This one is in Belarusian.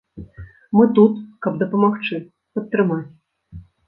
Мы тут, каб дапамагчы, падтрымаць.